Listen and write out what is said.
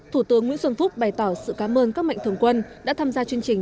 thủ tướng nguyễn xuân phúc bày tỏ sự cám ơn các mạnh thường quân đã tham gia chương trình